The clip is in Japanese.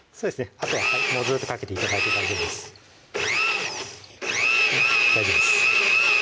あとはずっとかけて頂いて大丈夫です大丈夫です